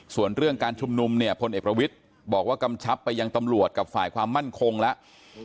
ส่วนเรื่องการชุมนุมเนี่ยพลเอกประวิทย์บอกว่ากำชับไปยังตำรวจกับฝ่ายความมั่นคงแล้ว